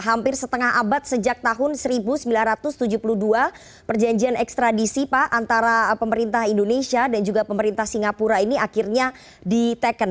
hampir setengah abad sejak tahun seribu sembilan ratus tujuh puluh dua perjanjian ekstradisi pak antara pemerintah indonesia dan juga pemerintah singapura ini akhirnya diteken